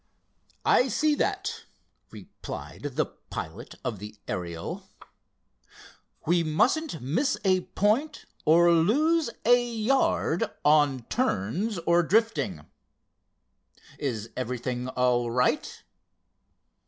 "I see that," replied the pilot of the Ariel. "We mustn't miss a point, or lose a yard, on turns or drifting. Is everything all right?"